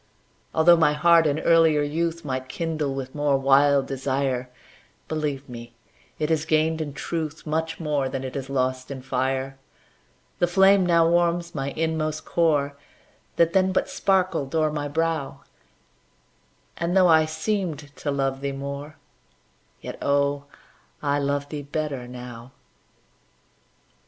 Altho' my heart in earlier youth Might kindle with more wild desire, Believe me, it has gained in truth Much more than it has lost in fire. The flame now warms my inmost core, That then but sparkled o'er my brow, And, though I seemed to love thee more, Yet, oh, I love thee better now.